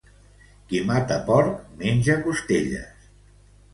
Qui mata porc menja costelles.